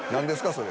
それ。